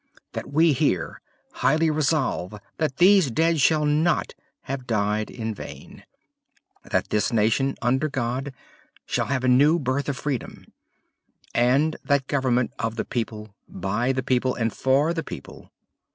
.. that we here highly resolve that these dead shall not have died in vain. .. that this nation, under God, shall have a new birth of freedom. .. and that government of the people. . .by the people. . .for the people.